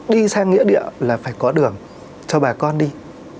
đi sang nghĩa địa là phải có đường cho bà con đi